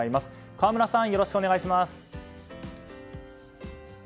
河村さん、よろしくお願いします。